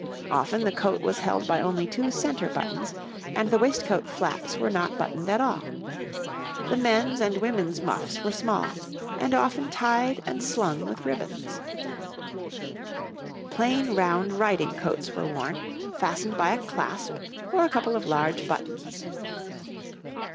Often the coat was held by only two centre buttons, and the waistcoat flaps were not buttoned at all. The men's and women's muffs were small, and often tied and slung with ribbons. [Illustration: {A man of the time of William and Mary}] Plain round riding coats were worn, fastened by a clasp or a couple of large buttons.